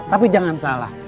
tapi jangan salah